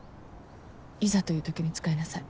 いざという時に使いなさい。